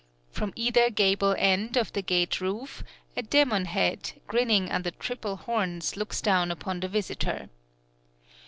From either gable end of the gate roof, a demon head, grinning under triple horns, looks down upon the visitor.